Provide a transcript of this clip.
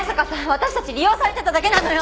私たち利用されてただけなのよ！